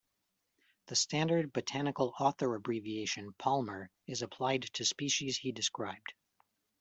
The standard botanical author abbreviation Palmer is applied to species he described.